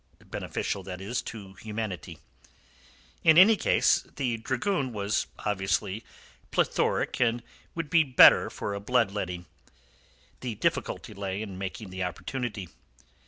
Beneficial, that is, to humanity. In any case, the dragoon was obviously plethoric and would be the better for a blood letting. The difficulty lay in making the opportunity.